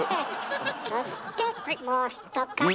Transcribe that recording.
そしてもう一方！